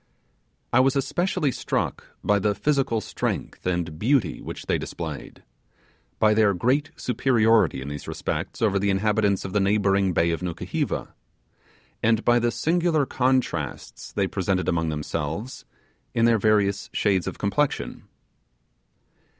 I was especially struck by the physical strength and beauty which they displayed, by their great superiority in these respects over the inhabitants of the neighbouring bay of Nukuheva, and by the singular contrasts they presented among themselves in their various shades of complexion.